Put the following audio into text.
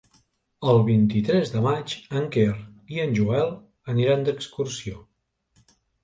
El vint-i-tres de maig en Quer i en Joel aniran d'excursió.